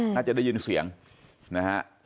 ได้ยินเสียงนะฮะ